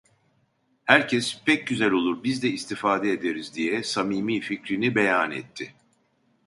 Herkes: "Pek güzel olur… Biz de istifade ederiz!" diye samimi fikrini beyan etti.